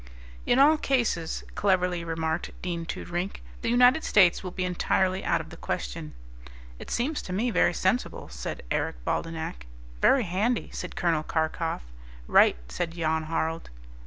"In all cases," cleverly remarked Dean Toodrink, "the United States will be entirely out of the question." "It seems to me very sensible," said Eric Baldenak. "Very handy," said Col. Karkof. "Right," said Jan Harald.